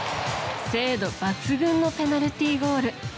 精度抜群のペナルティーゴール。